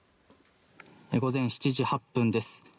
午前７時８分です。